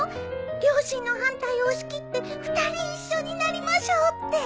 両親の反対を押しきって２人一緒になりましょうって。